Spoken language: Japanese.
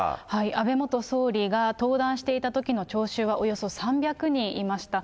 安倍元総理が登壇していたときの聴衆は、およそ３００人いました。